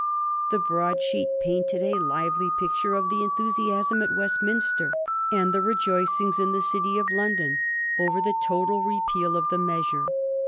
The broadsheet painted a lively picture of the enthusiasm at Westminster and the rejoicings in the City of London over the total repeal of the measure.